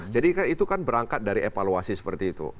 jadi itu kan berangkat dari evaluasi seperti itu